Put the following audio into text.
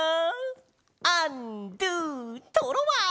アンドゥトロワ！